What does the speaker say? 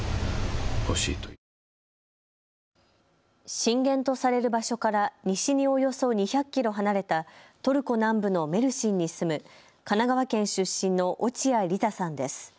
震源とされる場所から西におよそ２００キロ離れたトルコ南部のメルシンに住む神奈川県出身の落合リザさんです。